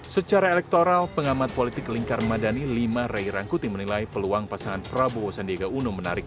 secara elektoral pengamat politik lingkar madani lima ray rangkuti menilai peluang pasangan prabowo sandiaga uno menarik